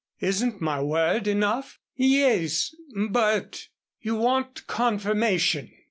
"Isn't my word enough?" "Yes, but " "You want confirmation.